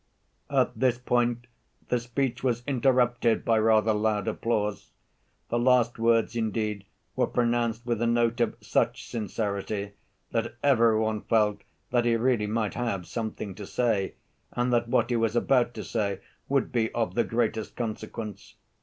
At this point the speech was interrupted by rather loud applause. The last words, indeed, were pronounced with a note of such sincerity that every one felt that he really might have something to say, and that what he was about to say would be of the greatest consequence.